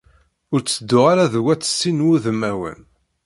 Ur ttedduɣ ara d wat sin n wudmawen.